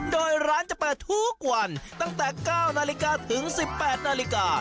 โดยร้านจะเปิดทุกวันตั้งแต่๙นาฬิกาถึง๑๘นาฬิกา